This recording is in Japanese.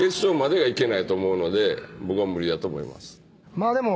まあでも。